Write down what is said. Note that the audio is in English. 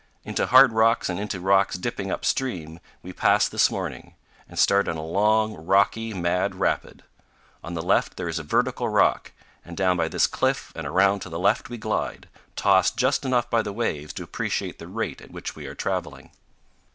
Into hard rocks and into rocks dipping up stream we pass this morning and start on a long, rocky, mad rapid. On the left there is a vertical rock, and down by this cliff and around to the left we glide, tossed just enough by the waves to appreciate the rate at which we are traveling.